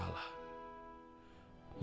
ya allah kalau memang selama ini aku salah